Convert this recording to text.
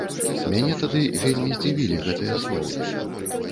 Мяне тады вельмі здзівілі гэтыя словы.